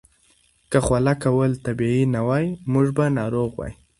که خوله کول طبیعي نه وای، موږ به ناروغ وای.